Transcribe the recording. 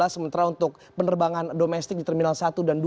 sementara untuk penerbangan domestik di terminal satu dan dua